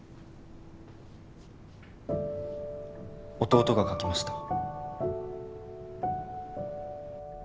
弟が描きました